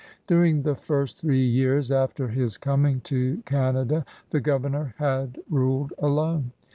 During the first three years after his coming to Canada, the governor had ruled alone.